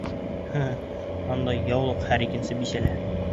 Һе, ундай яулыҡ һәр икенсе бисәлә.